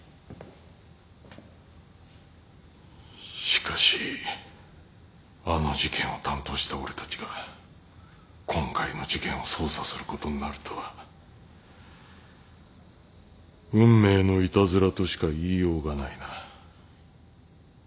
しかしあの事件を担当した俺たちが今回の事件を捜査することになるとは運命のいたずらとしか言いようがないな。